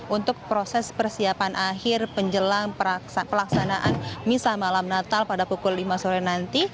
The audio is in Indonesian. untuk proses persiapan akhir penjelang pelaksanaan misah malam natal pada pukul lima sore nanti